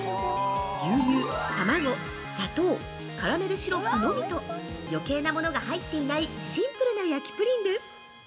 牛乳、卵、砂糖、カラメルシロップのみと余計なものが入っていないシンプルな焼きプリンです。